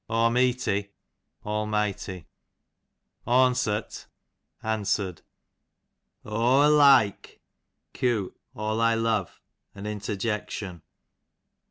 Awmeety, Almighty. Awnsert, answered. Aw o'like, q. all I love, an inter jection.